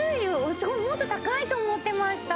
すごいもっと高いと思ってました